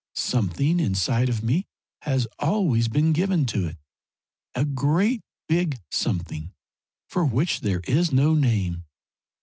Something inside of me has always been given to it a great big something for which there is no name.